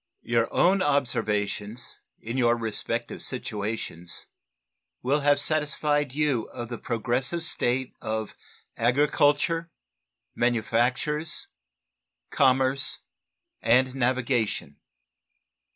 Your own observations in your respective situations will have satisfied you of the progressive state of agriculture, manufactures, commerce, and navigation.